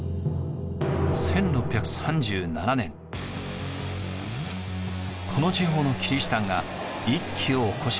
１６３７年この地方のキリシタンが一揆を起こしました。